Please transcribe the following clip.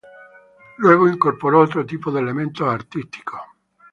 Luego, incorporó otro tipo de elementos artísticos.